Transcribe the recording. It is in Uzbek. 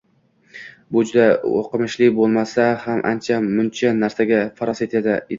U juda o‘qimishli bo‘lmasa ham ancha muncha narsaga farosati yetadi.